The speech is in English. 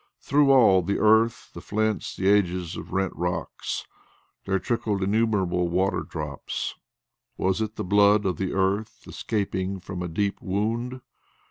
Through all the earth, the flints, the edges of rent rocks there trickled innumerable water drops. Was it the blood of the earth escaping from a deep wound?